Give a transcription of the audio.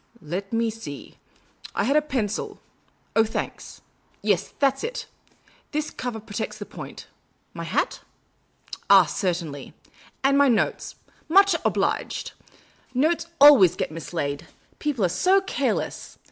" Let me see ; I had a pencil ; oh, thanks ; yes, that is it. This cover protects the point. My hat ? Ah, certainly. And my notes ; much obliged ; notes always get mislaid. People are so careless.